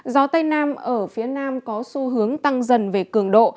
gió tây nam ở phía nam có xu hướng tăng dần về cường độ